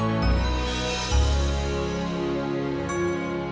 siapa yang membuat keributan